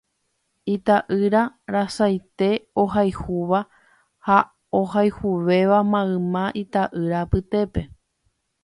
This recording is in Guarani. Ita'yra rasaite ohayhúva ha ohayhuvéva mayma ita'ýra apytépe.